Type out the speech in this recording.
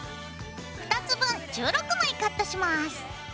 ２つ分１６枚カットします。